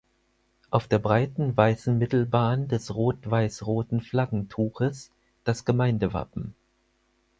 Auf der breiten weißen Mittelbahn des rot-weiß-roten Flaggentuches das Gemeindewappen.